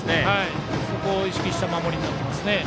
そこを意識した守りになりますね。